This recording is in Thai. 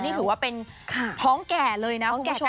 นี่ถือว่าเป็นท้องแก่เลยนะคุณผู้ชม